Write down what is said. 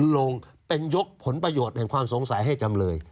ลงเป็นยกผลประโยชน์แห่งความสงสัยให้จำเลย